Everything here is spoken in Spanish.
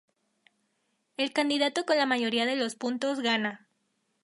El candidato con la mayoría de los puntos gana.